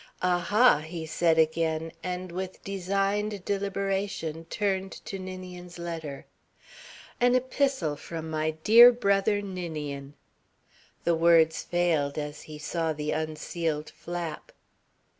"A ha!" he said again, and with designed deliberation turned to Ninian's letter. "An epistle from my dear brother Ninian." The words failed, as he saw the unsealed flap.